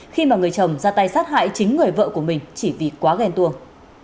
khi mà người chồng ra tay sát hại chính người vợ của mình chỉ vì quá ghen tuồng